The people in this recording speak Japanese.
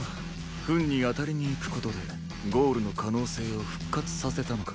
フンに当たりに行く事でゴールの可能性を復活させたのか。